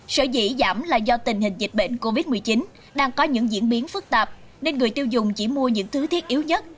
sở dĩ giảm là do tình hình dịch bệnh covid một mươi chín đang có những diễn biến phức tạp nên người tiêu dùng chỉ mua những thứ thiết yếu nhất